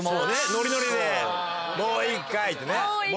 ノリノリで「もういっかい‼」ってね。